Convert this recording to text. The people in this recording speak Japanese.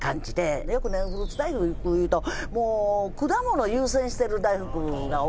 よくねフルーツ大福いうともう果物を優先してる大福が多いんですよ。